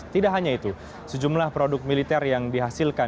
tidak hanya itu sejumlah produk militer yang dihasilkan